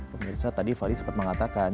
pemirsa tadi sempat mengatakan